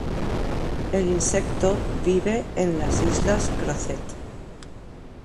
El insecto vive en las Islas Crozet.